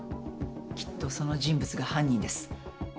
きっとその人物が犯人です。